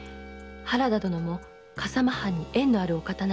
原田殿も笠間藩に縁のあるお方なのでは？